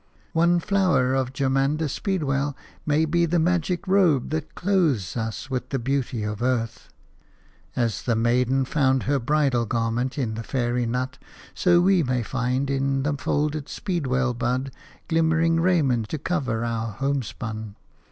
One flower of germander speedwell may be the magic robe that clothes us with the beauty of earth. As the maiden found her bridal garment in the fairy nut, so we may find in the folded speedwell bud glimmering raiment to cover our homespun.